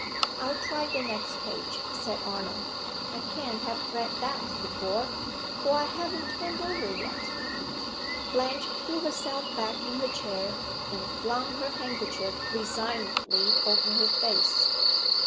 "I'll try the next page," said Arnold. "I can't have read that before for I haven't turned over yet." Blanche threw herself back in her chair, and flung her handkerchief resignedly over her face.